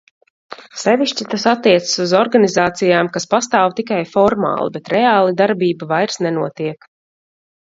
Sevišķi tas attiecas uz organizācijām, kas pastāv tikai formāli, bet reāli darbība vairs nenotiek.